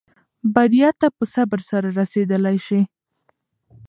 بریا ته په صبر سره رسېدلای شې.